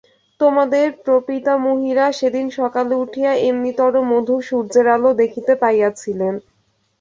তোমাদের প্রপিতামহীরা সেদিন সকালে উঠিয়া এমনিতরো মধুর সূর্যের আলো দেখিতে পাইয়াছিলেন।